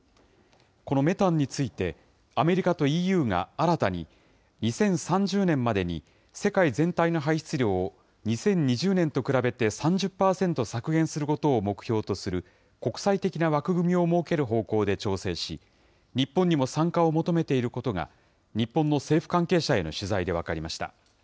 このメタンについて、アメリカとＥＵが新たに、２０３０年までに世界全体の排出量を２０２０年と比べて３０％削減することを目標とする国際的な枠組みを設ける方向で調整し、日本にも参加を求めていることが、日本の政府関係者への取材で分かりました。